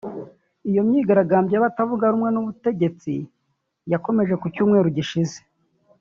Iyo myigaragambyo y’abatavuga rumwe n’ubutegetsi yakomeje ku cyumweru gishize